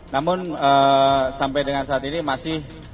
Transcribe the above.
namun sampai dengan saat ini masih